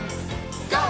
ＧＯ！